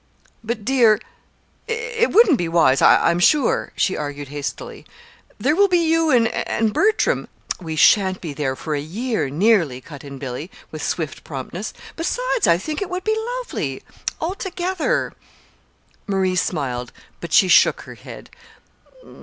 "But, dear, it wouldn't be wise, I'm sure," she argued hastily. "There will be you and Bertram " "We sha'n't be there for a year, nearly," cut in Billy, with swift promptness. "Besides, I think it would be lovely all together." Marie smiled, but she shook her head.